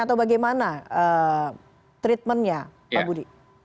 atau bagaimana treatment nya pak budi